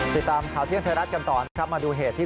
ติดตามข่าวเที่ยงไทยรัฐกันต่อนะครับมาดูเหตุที่